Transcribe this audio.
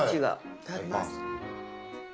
いただきます。